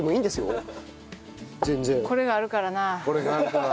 これがあるから。